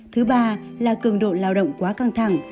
thứ ba là cường độ lao động quá căng thẳng